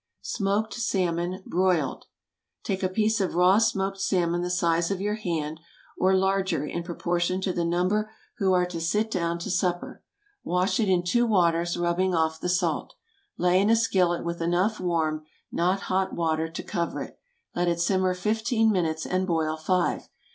SMOKED SALMON. (Broiled.) Take a piece of raw smoked salmon the size of your hand, or larger in proportion to the number who are to sit down to supper. Wash it in two waters, rubbing off the salt. Lay in a skillet with enough warm—not hot—water to cover it; let it simmer fifteen minutes, and boil five.